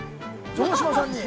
城島さんに。